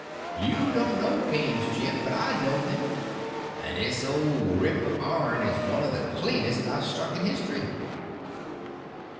You don't know kings, Jim, but I know them; and this old rip of ourn is one of the cleanest I've struck in history.